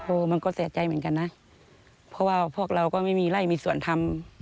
มันก็เสียใจเหมือนกันนะเพราะว่าพวกเราก็ไม่มีไล่มีส่วนทำ